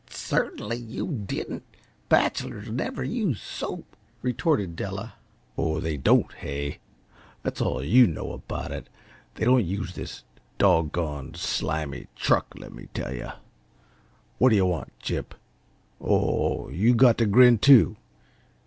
"Certainly, you didn't. Bachelors never use soap," retorted Della. "Oh, they don't, hey? That's all you know about it. They don't use this doggoned, slimy truck, let me tell yuh. What d'yuh want, Chip? Oh, you've got t' grin, too!